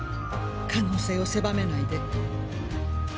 可能性を狭めないで。